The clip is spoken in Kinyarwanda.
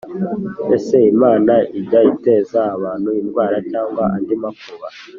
Ese Imana ijya iteza abantu indwara cyangwa andi makuba